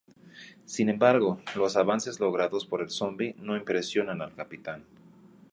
Sin embargo los avances logrados por el zombi no impresionan al capitán.